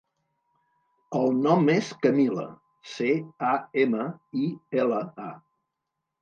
El nom és Camila: ce, a, ema, i, ela, a.